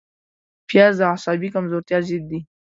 پیاز د عصبي کمزورتیا ضد دی